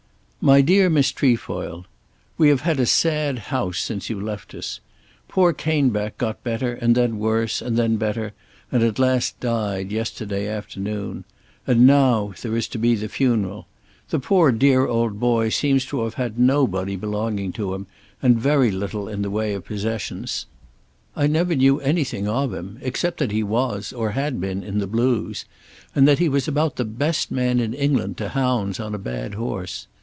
MY DEAR MISS TREFOIL, We have had a sad house since you left us. Poor Caneback got better and then worse and then better, and at last died yesterday afternoon. And now; there is to be the funeral! The poor dear old boy seems to have had nobody belonging to him and very little in the way of possessions. I never knew anything of him except that he was, or had been, in the Blues, and that he was about the best man in England to hounds on a bad horse.